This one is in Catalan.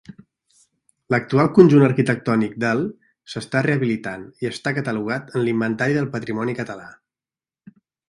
L'actual conjunt arquitectònic del s'està rehabilitant i està catalogat en l'Inventari del Patrimoni Català.